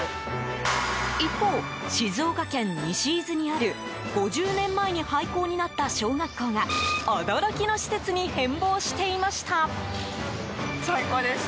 一方、静岡県西伊豆にある５０年前に廃校になった小学校が驚きの施設に変貌していました。